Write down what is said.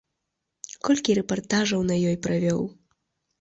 Колькі рэпартажаў на ёй правёў!